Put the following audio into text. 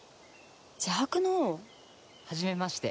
邪悪の王？はじめまして。